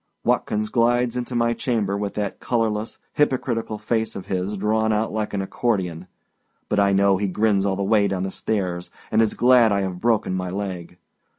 Watkins glides into my chamber, with that colorless, hypocritical face of his drawn out long like an accordion; but I know he grins all the way down stairs, and is glad I have broken my leg.